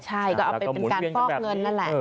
ใช่ก็เอาไปเป็นการฟอกเงินนั่นแหละ